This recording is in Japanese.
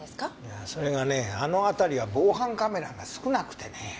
いやそれがねあの辺りは防犯カメラが少なくてね。